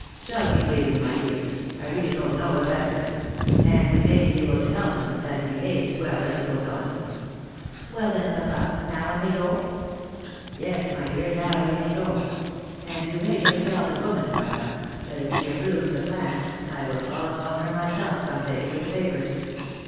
"■' Stocking weaving, my dear, I really don't know a better ; and we may be able to help him in that if he behaves well as he goes on." " Well then, papa, now I may go ?" 144 THE LIFE AND ADVENTURES " Yes, my dear, now you may go — and you may just tell the woman, Martha, that if she approves the plan, I will call upon her myself some day with the papers.